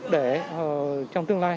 để trong tương lai